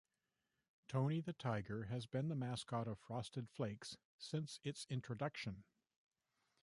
Tony the Tiger has been the mascot of Frosted Flakes since its introduction.